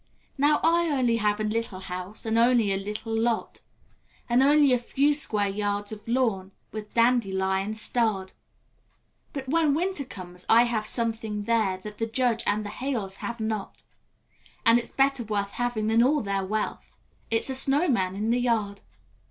Now I have only a little house, and only a little lot, And only a few square yards of lawn, with dandelions starred; But when Winter comes, I have something there that the Judge and the Hales have not, And it's better worth having than all their wealth it's a snowman in the yard.